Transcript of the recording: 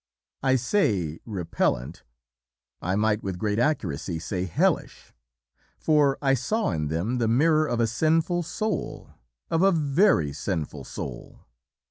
"I say repellent; I might with great accuracy say 'hellish,' for I saw in them the mirror of a sinful soul of a VERY sinful soul.